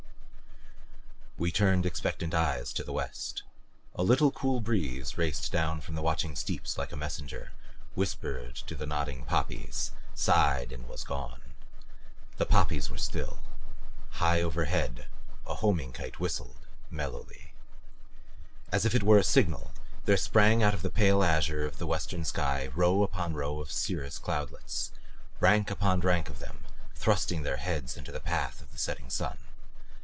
We turned expectant eyes to the west. A little, cool breeze raced down from the watching steeps like a messenger, whispered to the nodding poppies, sighed and was gone. The poppies were still. High overhead a homing kite whistled, mellowly. As if it were a signal there sprang out in the pale azure of the western sky row upon row of cirrus cloudlets, rank upon rank of them, thrusting their heads into the path of the setting sun.